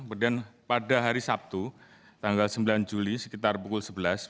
kemudian pada hari sabtu tanggal sembilan juli sekitar pukul sebelas